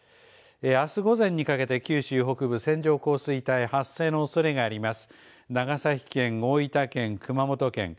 あす午前にかけて九州北部、線状降水帯発生のおそれがあります。